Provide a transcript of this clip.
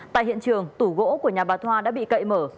tại hiện trường tủ gỗ của nhà bà thoa đã bị cậy mở